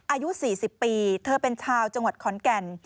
อายุ๔๐ปีเธอเป็นชาวจังหวัดขอนแก่น